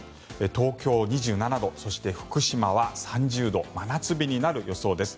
東京、２７度そして、福島は３０度真夏日になる予想です。